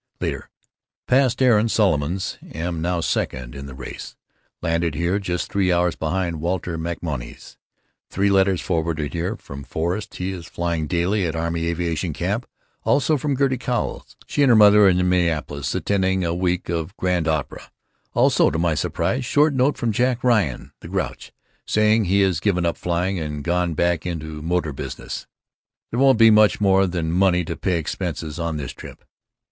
Later: Passed Aaron Solomons, am now second in the race, landed here just three hours behind Walter MacMonnies. Three letters forwarded here, from Forrest, he is flying daily at army aviation camp, also from Gertie Cowles, she and her mother are in Minneapolis, attending a week of grand opera, also to my surprise short note from Jack Ryan, the grouch, saying he has given up flying and gone back into motor business. There won't be much more than money to pay expenses on this trip.